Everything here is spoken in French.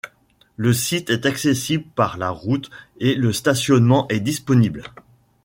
Le site est accessible par la route et le stationnement est disponible.